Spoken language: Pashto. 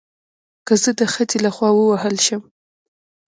که زه د خځې له خوا ووهل شم